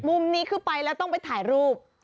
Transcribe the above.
มุมนี้คือไปแล้วต้องไปถ่ายรูป